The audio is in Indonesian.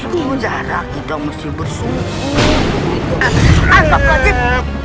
mereka belajar bilang mesti ber plain